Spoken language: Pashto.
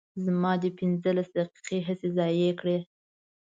زما دې پنځلس دقیقې هسې ضایع کړې.